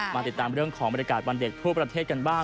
มาติดตามเรื่องของบรรยากาศวันเด็กทั่วประเทศกันบ้าง